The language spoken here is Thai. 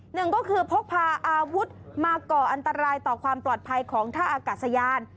หนึ่งก็คือพกพาอาวุธมาก่ออันตรายต่อความปลอดภัยของท่าอากาศยาน